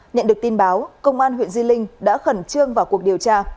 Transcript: nhận được tin báo công an huyện di linh đã khẩn trương vào cuộc điều tra